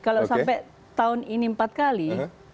kalau sampai tahun ini empat kali